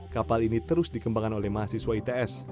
kapal ini terus dikembangkan oleh mahasiswa its